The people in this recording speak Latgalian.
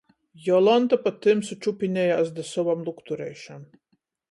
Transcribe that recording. Jolanta pa tymsu čupinejās da sovam luktureišam.